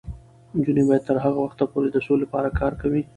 نجونې به تر هغه وخته پورې د سولې لپاره کار کوي.